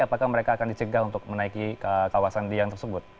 apakah mereka akan dicegah untuk menaiki kawasan liang tersebut